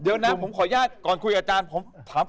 เดี๋ยวนะผมขออนุญาตก่อนคุยกับอาจารย์